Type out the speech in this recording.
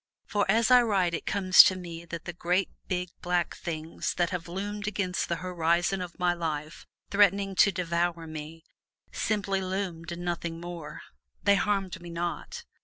For as I write it comes to me that the Great Big Black Things that have loomed against the horizon of my life, threatening to devour me, simply loomed and nothing more. They harmed me not.